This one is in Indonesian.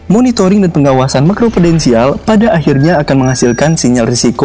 monitoring dan pengawasan makro prudensial pada akhirnya akan menghasilkan sinyal risiko